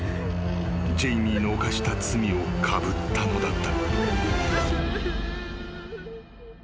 ジェイミーの犯した罪をかぶったのだった］